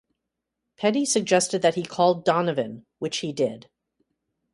Petty suggested that he call Donovan, which he did.